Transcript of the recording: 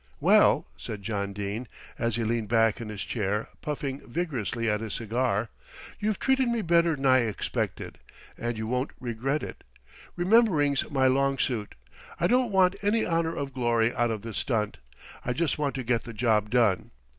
"Well," said John Dene, as he leaned back in his chair, puffing vigorously at his cigar, "you've treated me better'n I expected, and you won't regret it. Remembering's my long suit. I don't want any honour or glory out of this stunt, I just want to get the job done.